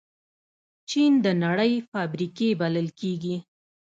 چین د نړۍ فابریکې بلل کېږي.